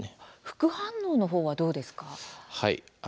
副反応の方はどうですか？